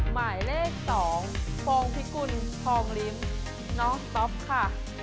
หมายเลข๒โฟงพิกุลทองลิ้มน้องต๊อปค่ะ